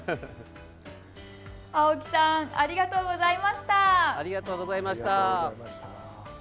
青木さんありがとうございました。